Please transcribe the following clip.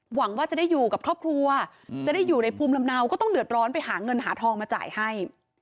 หวังว่าจะได้อยู่กับครอบครัวจะได้อยู่ในภูมิลำเนาก็ต้องเดือดร้อนไปหาเงินหาทองมาจ่ายให้